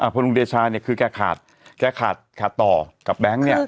พอลุงเดชาเนี่ยคือแกขาดแกขาดขาดต่อกับแบงค์เนี่ย